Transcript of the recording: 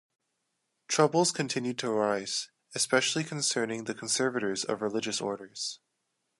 Troubles continued to arise, especially concerning the conservators of religious orders.